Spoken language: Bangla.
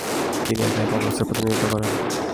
তিনি একাই কংগ্রেসের প্রতিনিধিত্ব করেন।